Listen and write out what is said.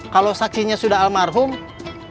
kalau saksinya sudah almarhum kan kita bisa berhutang